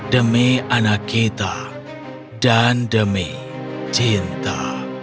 demi anak kita dan demi cinta